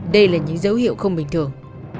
đây là những dấu hiệu không bình thường